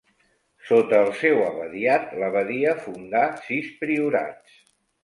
Sota el seu abadiat, l’abadia fundà sis priorats.